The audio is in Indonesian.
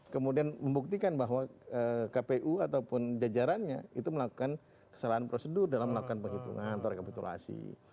kemudian membuktikan bahwa kpu ataupun jajarannya itu melakukan kesalahan prosedur dalam melakukan penghitungan atau rekapitulasi